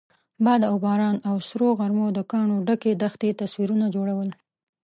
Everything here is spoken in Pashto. باد او باران او سرو غرمو د کاڼو ډکې دښتې تصویرونه جوړول.